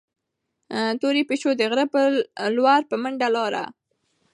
تورې پيشو د غره په لور په منډه لاړه.